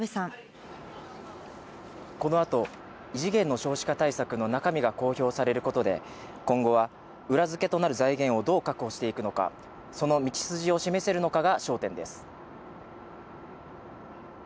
この後、異次元の少子化対策の中身が公表されることで、今後は裏付けとなる財源をどう確保していくのか、その道筋を示せるのかが焦点です。